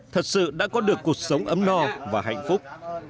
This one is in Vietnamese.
thật sự đã có được cuộc sống ấm no và hạnh phúc